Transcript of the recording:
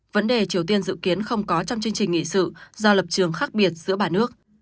vấn đề triều tiên dự kiến không có trong chương trình nghị sự do lập trường khác biệt giữa ba nước